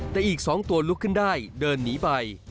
แต่อีก๒ตัวลุกขึ้นได้เดินหนีไป